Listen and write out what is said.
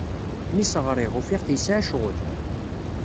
Mi as-ɣriɣ, ufiɣ-t yesɛa ccɣel.